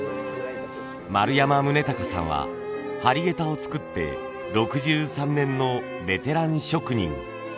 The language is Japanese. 丸山宗孝さんは張下駄を作って６３年のベテラン職人。